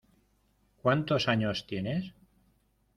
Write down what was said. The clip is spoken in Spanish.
¿Cuántos años tienes?